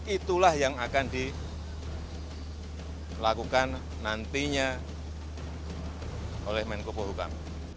itulah yang akan dilakukan nantinya oleh menko pohukam